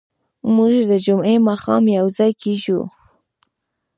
موږ د جمعې ماښام یوځای کېږو.